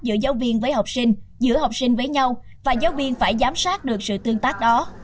giữa giáo viên với học sinh giữa học sinh với nhau và giáo viên phải giám sát được sự tương tác đó